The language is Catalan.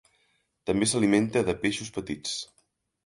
També s'alimenta de peixos petits.